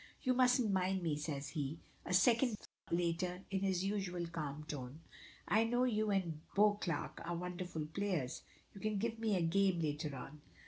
"You mustn't mind me," says he, a second later, in his usual calm tone. "I know you and Beauclerk are wonderful players. You can give me a game later on."